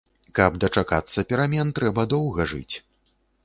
Каб дачакацца перамен, трэба доўга жыць.